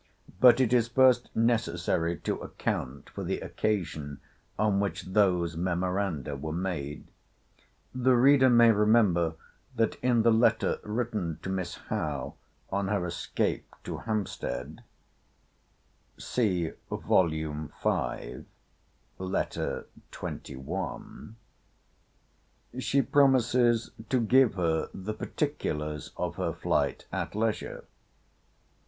But it is first necessary to account for the occasion on which those memoranda were made. The reader may remember, that in the letter written to Miss Howe, on her escape to Hampstead,* she promises to give her the particulars of her flight at leisure.